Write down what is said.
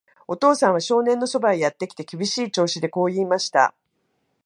お父さんは少年のそばへやってきて、厳しい調子でこう言いました。